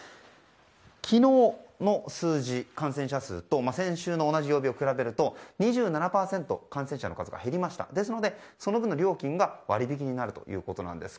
昨日の数字、感染者数と先週の同じ曜日を比べると２７％、感染者の数が減りましたのでその分の料金が割引になるということです。